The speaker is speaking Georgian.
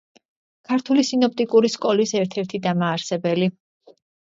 ქართული სინოპტიკური სკოლის ერთ-ერთი დამაარსებელი.